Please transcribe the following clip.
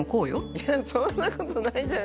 いやそんなことないじゃん